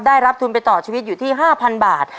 ได้รับทุนไปต่อชีวิตอยู่ที่๕๐๐บาท